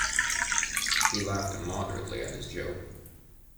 He laughed immoderately at his joke.